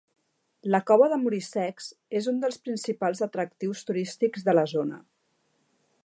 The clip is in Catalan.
La Cova de Muricecs és un dels principals atractius turístics de la zona.